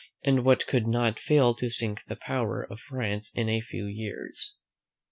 and what could not fail to sink the power of France in a few years.